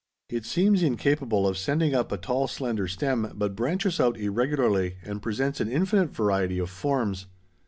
It seems incapable of sending up a tall slender stem but branches out irregularly and presents an infinite variety of forms.